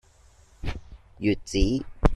穴子